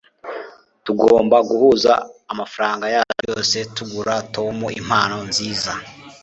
tugomba guhuza amafaranga yacu yose tugura tom impano nziza